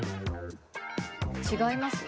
違います？